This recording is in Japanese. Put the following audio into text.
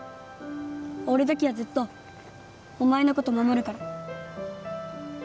俺だけはずっとお前のこと守るから